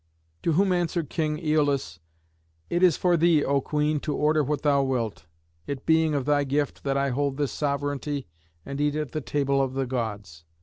To whom answered King Æolus, "It is for thee, O Queen, to order what thou wilt, it being of thy gift that I hold this sovereignty and eat at the table of the Gods."